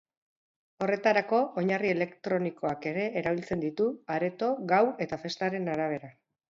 Horretarako, oinarri elektronikoak ere erabiltzen ditu areto, gau etafestaren arabera.